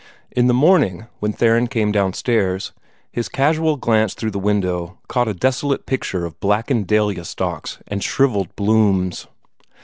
In the morning, when Theron came downstairs, his casual glance through the window caught a desolate picture of blackened dahlia stalks and shrivelled blooms.